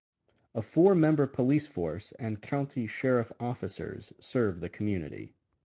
A four-member police force and county sheriff officers serve the community.